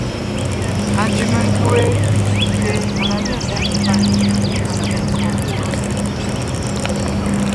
Antsẅì menkʉ̀ we gẅie à la nê ndaʼte páʼ linɔ̀ɔn la nê ntɔ́gɔ púʼu lussé.